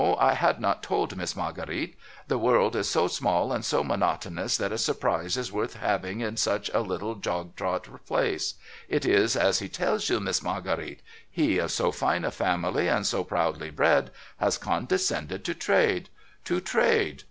I had not told Miss Marguerite. The world is so small and so monotonous that a surprise is worth having in such a little jog trot place. It is as he tells you, Miss Marguerite. He, of so fine a family, and so proudly bred, has condescended to trade. To trade